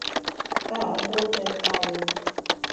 Kā atbloķēt tālruni?